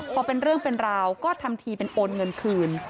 พอเป็นเรื่องเป็นราวก็ทำทีเป็นโอนเงินคืน